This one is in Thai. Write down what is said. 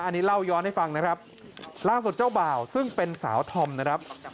อันนี้เล่าย้อนให้ฟังนะครับล่าสุดเจ้าบ่าวซึ่งเป็นสาวธอมนะครับ